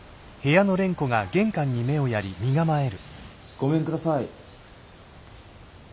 ・ごめんください。